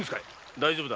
大丈夫だ。